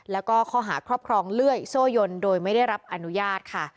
แล้วก็ข้อหาครอบครองเลื่อยโซ่ยนโดยไม่ได้รับอนุญาตค่ะ